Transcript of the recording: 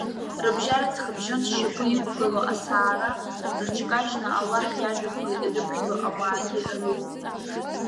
Рыбжьара, ҵхыбжьон зшьапы иқәгылоу, асаара рыҽкажьны Аллаҳ иажәақәа ирыԥхьо ауаагьы рылоуп.